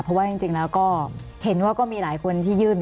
เพราะว่าจริงแล้วก็เห็นว่าก็มีหลายคนที่ยื่น